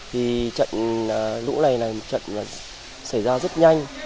thì trận lũ này là một trận xảy ra rất nhanh